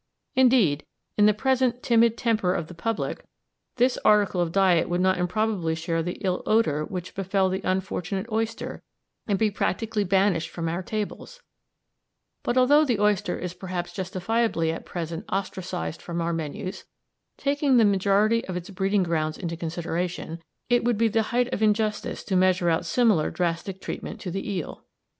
Indeed, in the present timid temper of the public, this article of diet would not improbably share the ill odour which befell the unfortunate oyster and be practically banished from our tables; but although the oyster is perhaps justifiably at present ostracised from our menus, taking the majority of its breeding grounds into consideration, it would be the height of injustice to measure out similar drastic treatment to the eel.